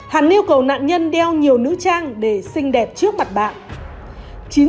hẳn yêu cầu nạn nhân đeo nhiều nữ trang để xinh đẹp trước mặt bạn